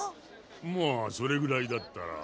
まあそれぐらいだったら。